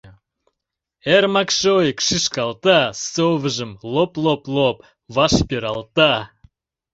Эрмак шоик! шӱшкалта, совыжым лоп-лоп-лоп ваш пералта.